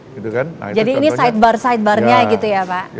jadi ini sidebar sidebarnya gitu ya pak